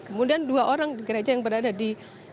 kemudian dua orang gereja yang berada di